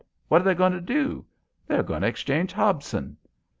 What they goin' to do?" "They're goin' to exchange Hobson."